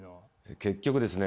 結局ですね